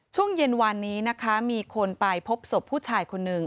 ช่วงเย็นวานนี้นะคะมีคนไปพบศพผู้ชายคนหนึ่ง